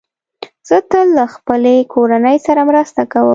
زه تل له خپلې کورنۍ سره مرسته کوم.